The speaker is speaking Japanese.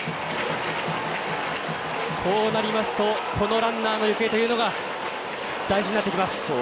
こうなりますとこのランナーの行方というのが大事になってきます。